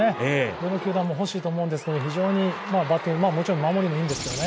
どの球団も欲しいと思うんですけど、バッティング、もちろん、守りもいいんですけどね。